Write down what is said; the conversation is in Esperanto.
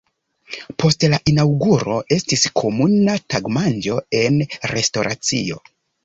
Post la inaŭguro estis komuna tagmanĝo en restoracio.